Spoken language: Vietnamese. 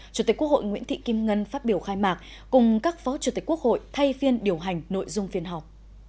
chủ tịch quốc hội nguyễn thị kim ngân phát biểu khai mạc cùng các phó chủ tịch quốc hội thay phiên điều hành nội dung phiên họp